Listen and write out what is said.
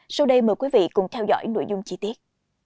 sau đây mời quý vị cùng theo dõi nội dung chi tiết